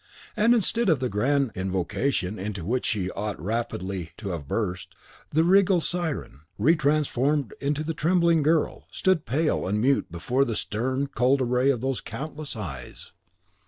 And, instead of the grand invocation into which she ought rapidly to have burst, the regal Siren, retransformed into the trembling girl, stood pale and mute before the stern, cold array of those countless eyes.